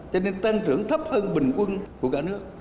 cho nên tăng trưởng thấp hơn bình quân của cả nước